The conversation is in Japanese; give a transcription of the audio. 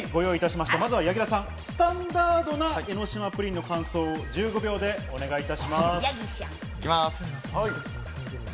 まずは柳楽さん、スタンダードな江の島プリンの感想を１５秒でお願いいたします。